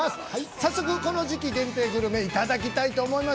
早速、この時期限定グルメ、いただきたいと思います。